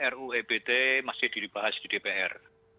ruu ebt masih dibahas di dpr